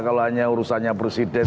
kalau hanya urusannya presiden